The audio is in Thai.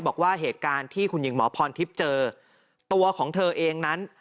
บอกว่าเหตุการณ์ที่คุณหญิงหมอพรทิพย์เจอตัวของเธอเองนั้น